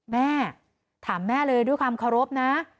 แม่ถามแม่เลยด้วยความเคารพนะ